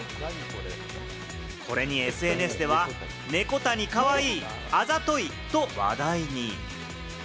これにＳＮＳでは、ネコ谷かわいい、あざといと話題に。